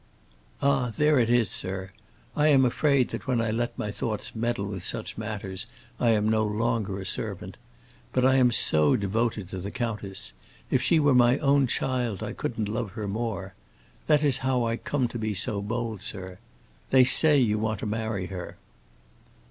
"Ah, there it is, sir. I am afraid that when I let my thoughts meddle with such matters I am no longer a servant. But I am so devoted to the countess; if she were my own child I couldn't love her more. That is how I come to be so bold, sir. They say you want to marry her."